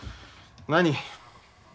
何？